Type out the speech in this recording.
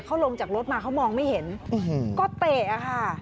เขาลงจากรถมาเขามองไม่เห็นก็เตะค่ะ